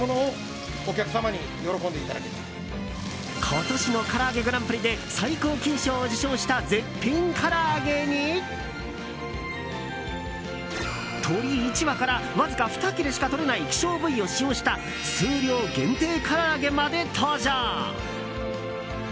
今年のからあげグランプリで最高金賞を受賞した絶品から揚げに鶏１羽からわずか２切れしかとれない希少部位を使用した数量限定から揚げまで登場。